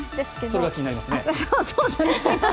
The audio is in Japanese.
それが気になりますね。